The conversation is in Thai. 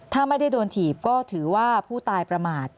ถ้าไม่ได้โดนถีบก็ถือว่าผู้ตายประมาท